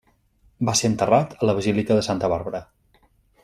Va ser enterrat a la basílica de Santa Bàrbara.